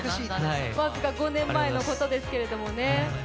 僅か５年前のことですけどね